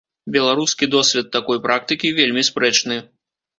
Беларускі досвед такой практыкі вельмі спрэчны.